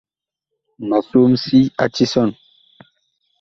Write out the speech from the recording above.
Ma som si a tisɔn.